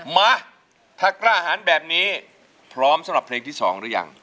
มาถ้ากล้าหันแบบนี้พร้อมสำหรับเพลงที่๒หรือยัง